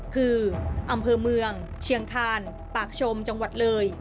คืออำเภอเมืองเชียงคานปากชมจังหวัดเลย